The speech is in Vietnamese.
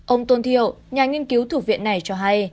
ông tôn thiệu nhà nghiên cứu thuộc viện này cho hay